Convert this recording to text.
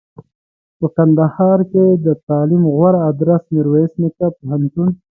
په کندهار کښي دتعلم غوره ادرس میرویس نیکه پوهنتون